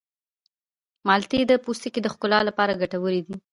مالټې د پوستکي د ښکلا لپاره ګټورې دي.